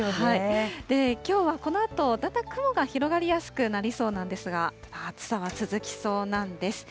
きょうはこのあと、だんだん雲が広がりやすくなりそうなんですが、暑さは続きそうなんです。